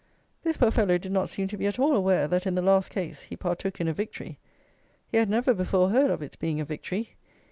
This poor fellow did not seem to be at all aware that in the last case he partook in a victory! He had never before heard of its being a victory.